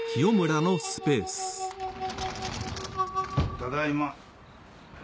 ただいま。